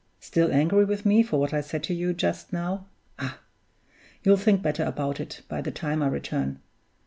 Still angry with me for what I said to you just now? Ah! you'll think better about it by the time I return.